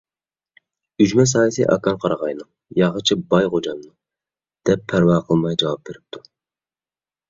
— ئۈجمە سايىسى ئاكاڭ قارىغاينىڭ، ياغىچى باي غوجامنىڭ، — دەپ پەرۋا قىلماي جاۋاب بېرىپتۇ.